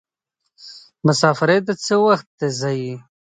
مسافری ته څه وخت ځئ.